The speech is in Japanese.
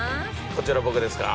こちら僕ですか？